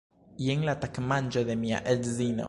Jen la tagmanĝo de mia edzino